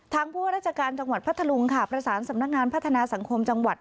ผู้ว่าราชการจังหวัดพัทธลุงค่ะประสานสำนักงานพัฒนาสังคมจังหวัด